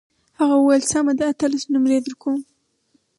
هغه وویل سمه ده اتلس نمرې درکوم.